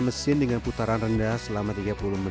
mari kita berada legs nya di dalam air tape